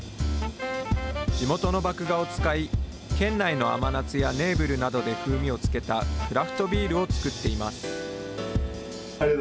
地元の麦芽を使い、県内の甘夏やネーブルなどで風味をつけたクラフトビールを造っています。